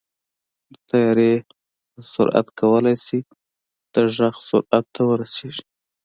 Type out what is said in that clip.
د طیارې سرعت کولی شي د غږ سرعت ته ورسېږي.